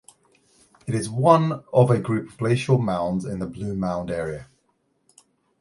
It is one of a group of glacial mounds in the Blue Mound area.